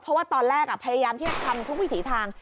เพราะว่าตอนแรกพยายามที่จะทำทุกวิถีทาง